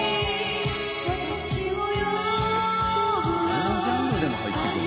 どのジャンルでも入ってくる。